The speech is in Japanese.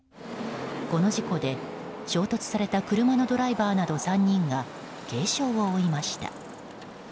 この事故で、衝突された車のドライバーなど３人が軽傷を負いました。